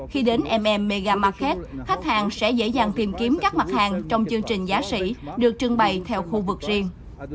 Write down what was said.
khi đến m m mega market khách hàng sẽ dễ dàng tìm kiếm các mặt hàng trong chương trình giá sỉ được trưng bày theo khu vực riêng